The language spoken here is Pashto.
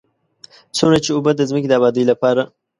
څومره چې اوبه د ځمکې د ابادۍ لپاره.